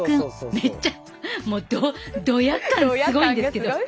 めっちゃもうドヤ感すごいんですけど。